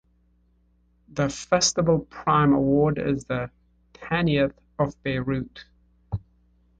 The festival prime award is the "Tanith of Beirut".